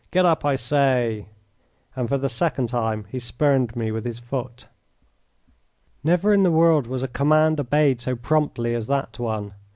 "Get up, I say," and for the second time he spurned me with his foot. Never in the world was a command obeyed so promptly as that one.